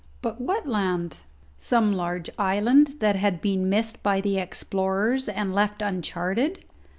But what land? Some large island that had been missed by the explorers and left uncharted?